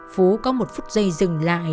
phú có một phút giây dừng lại